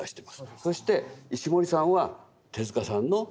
そして石森さんは手さんの直系です。